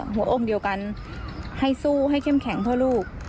หัวอมเดียวกันให้สู้ให้เข้มแข็งเพื่อลูก